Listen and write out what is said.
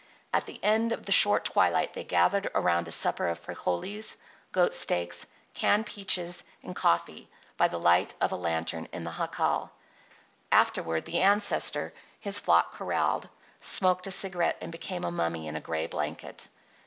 At the end of the short twilight they gathered around a supper of frijoles, goat steaks, canned peaches, and coffee, by the light of a lantern in the jacal. Afterward, the ancestor, his flock corralled, smoked a cigarette and became a mummy in a grey blanket.